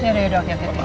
yuk yuk yuk yuk